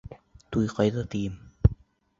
Туй ҡайҙа тием?